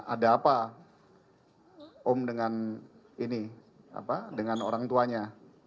ada apa om dengan orang tuanya